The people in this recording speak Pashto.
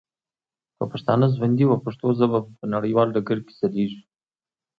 که پښتانه ژوندي وه ، پښتو ژبه به په نړیوال ډګر کي ځلیږي.